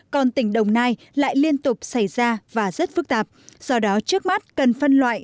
còn tỉnh đồng nai lại liên tục xảy ra và rất phức tạp do đó trước mắt cần phân loại